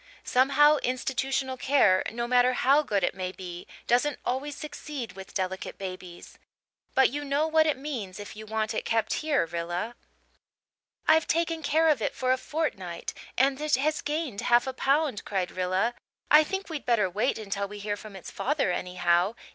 Somehow, institutional care, no matter how good it may be, doesn't always succeed with delicate babies. But you know what it means if you want it kept here, Rilla." "I've taken care of it for a fortnight and it has gained half a pound," cried Rilla. "I think we'd better wait until we hear from its father anyhow.